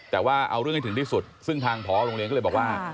แต่ว่าเอาเรื่องให้ถึงที่สุดซึ่งทางพอโรงเรียนก็เลยบอกว่า